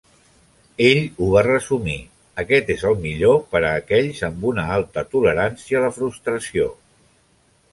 Ell ho va resumir: aquest és el millor per a aquells amb una alta tolerància a la frustració.